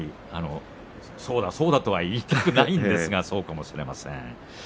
そうだそうだとは言いたくありませんがそうかもしれませんね。